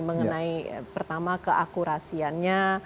mengenai pertama keakurasiannya